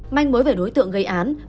manh mối về đối tượng gây án